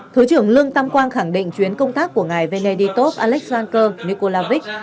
thứ trưởng lương tam quang khẳng định chuyến công tác của ngài venedictop alexander nikolaevic